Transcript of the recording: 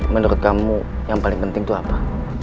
menurut kamu yang paling penting itu apa